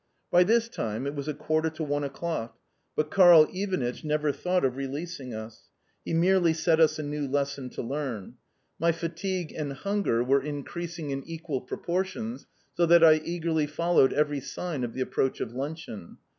By this time it was a quarter to one o'clock, but Karl Ivanitch never thought of releasing us. He merely set us a new lesson to learn. My fatigue and hunger were increasing in equal proportions, so that I eagerly followed every sign of the approach of luncheon.